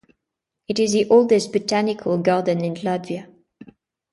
It is the oldest botanical garden in Latvia.